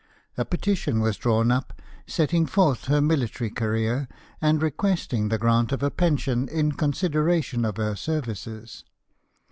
A petition was drawn up, setting forth her military career, and requesting the grant of a pension in consideration of her services.